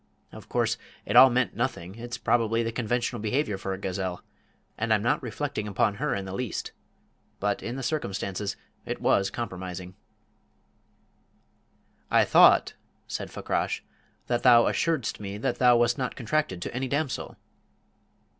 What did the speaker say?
Of course, it all meant nothing it's probably the conventional behaviour for a gazelle, and I'm not reflecting upon her in the least. But, in the circumstances, it was compromising." "I thought," said Fakrash, "that thou assuredst me that thou wast not contracted to any damsel?"